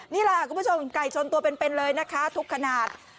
นี่แหละคุณผู้ชมไก่ชนตัวเป็นเลยนะคะทุกขนาด